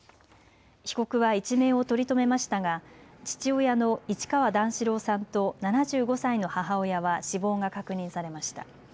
被告は一命を取り留めましたが父親の市川段四郎さんと７５歳の母親は死亡が確認されました。